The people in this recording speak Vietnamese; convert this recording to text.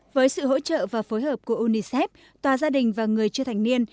với sự hỗ trợ và phối hợp của unicef tòa gia đình và người chưa thành niên